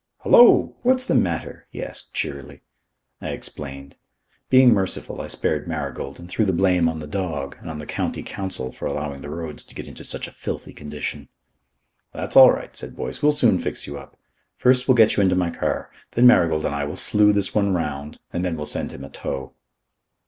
"Hallo! What's the matter?" he asked cheerily. I explained. Being merciful, I spared Marigold and threw the blame on the dog and on the County Council for allowing the roads to get into such a filthy condition. "That's all right," said Boyce. "We'll soon fix you up. First we'll get you into my car. Then Marigold and I will slue this one round, and then we'll send him a tow."